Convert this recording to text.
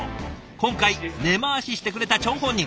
今回根回ししてくれた張本人。